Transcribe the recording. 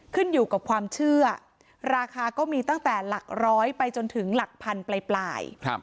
ขึ้นอยู่กับความเชื่อราคาก็มีตั้งแต่หลักร้อยไปจนถึงหลักพันปลาย